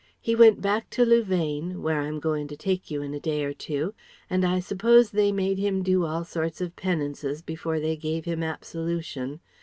He went back to Louvain where I'm goin' to take you in a day or two and I suppose they made him do all sorts of penances before they gave him absolution.